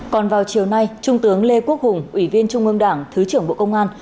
còn vào chiều nay trung tướng lê quốc hùng ủy viên trung ương đảng thứ trưởng bộ công an